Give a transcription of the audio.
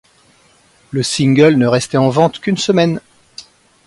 Le single ne reste en vente qu'une semaine.